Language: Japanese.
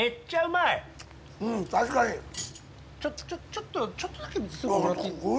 ちょっとちょっとだけスープもらっていいですか？